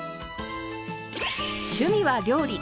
趣味は料理。